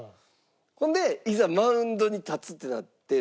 ほんでいざマウンドに立つってなって。